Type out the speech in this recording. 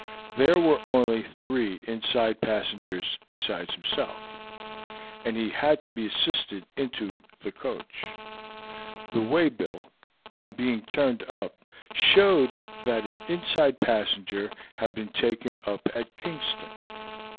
There were only three inside passengers besides himself, and he had to be assisted into the coach. The way bill, on being turned up, showed that an inside passenger had been taken up at Kingston.